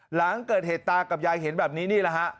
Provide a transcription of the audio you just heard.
หลังเกิดเหตุตากับยายเห็นแบบนี้นี่แหละฮะ